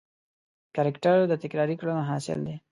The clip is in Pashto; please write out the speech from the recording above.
کرکټر د تکراري کړنو حاصل دی.